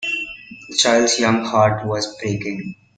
The child’s young heart was breaking.